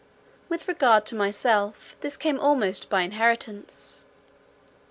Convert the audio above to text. With regard to myself, this came almost by inheritance.